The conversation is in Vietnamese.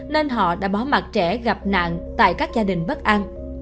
nên họ đã bỏ mặt trẻ gặp nạn tại các gia đình bất an